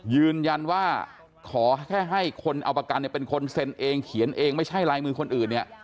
ยืนยันว่าขอแค่ให้คนเอาประกันเป็นคนเซ็นเองเขียนเองไม่ใช่ลายมือคนอื่นเนี่ย